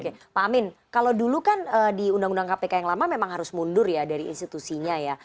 oke pak amin kalau dulu kan di undang undang kpk yang lama memang harus mundur ya dari institusinya ya